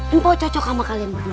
gumpal cocok sama kalian berdua